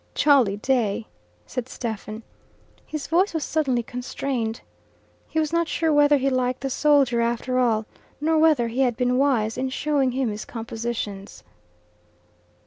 "Jolly day," said Stephen. His voice was suddenly constrained. He was not sure whether he liked the soldier after all, nor whether he had been wise in showing him his compositions.